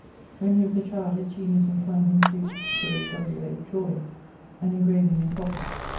When he was a child, his genius inclined him to (quaere W. A.) draweing and engraving in copper.